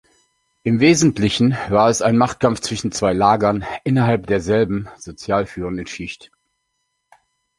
Im Wesentlichen war es ein Machtkampf zwischen zwei Lagern innerhalb derselben, sozial führenden Schicht.